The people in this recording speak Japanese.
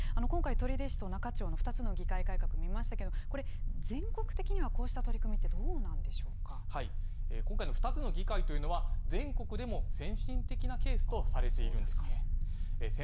今回、取手市と那賀町の２つの議会改革、見ましたけれども、これ、全国的にはこうした取り組みって、どうなん今回の２つの議会というのは、全国でも先進的なケースとされているんですね。